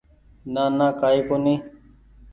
نانا ڪآئي ڪونيٚ